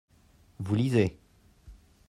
vous lisez.